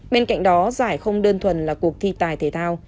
bên cạnh đó giải không đơn thuần là cuộc thi tài thể thao